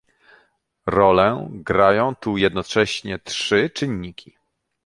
Rolę grają tu jednocześnie trzy czynniki